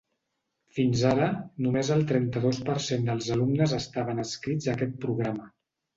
Fins ara, només el trenta-dos per cent dels alumnes estaven adscrits a aquest programa.